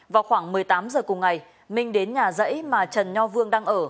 vào khoảng một mươi tám h cùng ngày minh đến nhà dãy mà trần nho vương đang ở